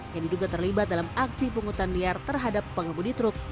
yang diduga terlibat dalam aksi pungutan liar terhadap pengemudi truk